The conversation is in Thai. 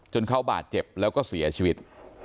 เขาบาดเจ็บแล้วก็เสียชีวิต